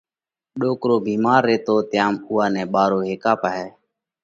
ڏوڪرو ڀيمار ريتو تيام اُوئا نئہ ٻارو هيڪئہ پاهئہ